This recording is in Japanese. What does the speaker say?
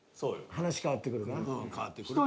話変わってくるかな。